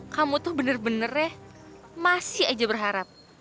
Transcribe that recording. kamu tuh bener bener masih aja berharap